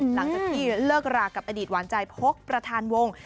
หลังจากที่เลิกรากับอดีตหวานใจพกประธานวง